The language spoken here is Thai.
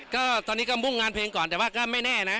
ก็ตอนนี้ก็มุ่งงานเพลงก่อนแต่ว่าก็ไม่แน่นะ